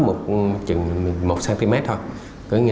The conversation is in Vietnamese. một chừng một cm thôi